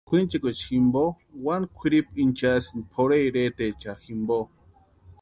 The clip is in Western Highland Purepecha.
Kwʼinchikwaecha jimpo wani kwʼiripu inchasïni pʼorhe iretaecha jimpo.